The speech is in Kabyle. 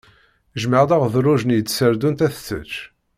Jmeɛ-d aɣedluj-nni i tserdunt ad t-tečč.